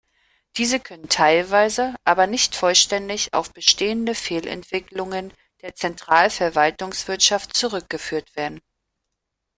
Diese können teilweise, aber nicht vollständig, auf bestehende Fehlentwicklungen der Zentralverwaltungswirtschaft zurückgeführt werden.